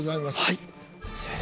はい。